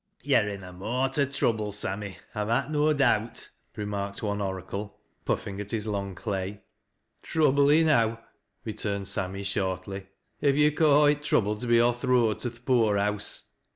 " Yo're in a mort o' trouble, Sammy, I mak' no doubt,' remarked one oracle, puffing at his long clay. " Trouble enow," returned Sammy, shortly, " if you ca' it trouble to be on th' road to th' poor house."